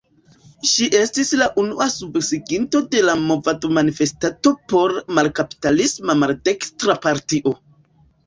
Ŝi estis la unua subsiginto de la movadmanifesto por "malkapistalisma maldekstra partio".